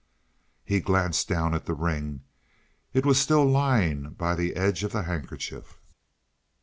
He glanced down at the ring; it was still lying by the edge of the handkerchief.